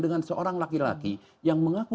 dengan seorang laki laki yang mengaku